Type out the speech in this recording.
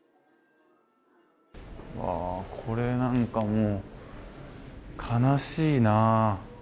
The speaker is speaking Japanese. これなんかもう悲しいな。